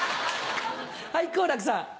はい好楽さん。